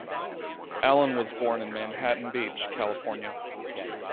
Allen was born in Manhattan Beach, California.